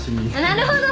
なるほど！